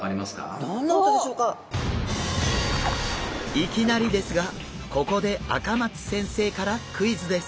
いきなりですがここで赤松先生からクイズです！